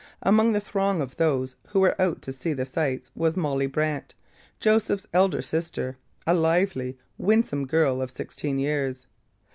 Among the throng of those who were out to see the sights was Molly Brant, Joseph's elder sister, a lively, winsome girl of sixteen years.